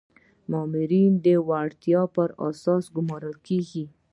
مامورین د وړتیا په اساس ګمارل کیږي